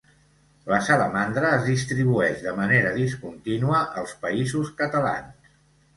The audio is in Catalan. La salamandra es distribueix de manera discontínua als Països Catalans.